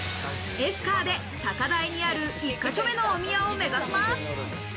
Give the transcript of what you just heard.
エスカーで高台にある１か所目のお宮を目指します。